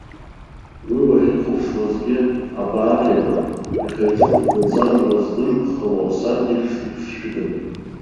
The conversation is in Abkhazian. Уи уахьихәаԥшуазгьы абаак иакәын, ихы-иҿы хәхәаӡа мра здымԥхало асаркьеиԥш иԥшшәыдан.